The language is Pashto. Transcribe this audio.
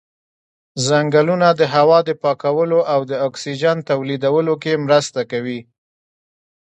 ځنګلونه د هوا د پاکولو او د اکسیجن تولیدولو کې مرسته کوي.